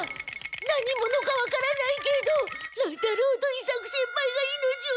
何者かわからないけど乱太郎と伊作先輩が命をねらわれている。